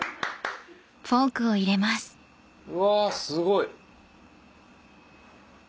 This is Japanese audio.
うわすごい。